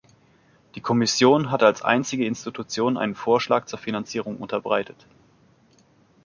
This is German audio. Die Kommission hat als einzige Institution einen Vorschlag zur Finanzierung unterbreitet.